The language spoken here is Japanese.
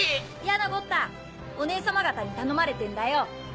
やなこったおねえ様方に頼まれてんだよ。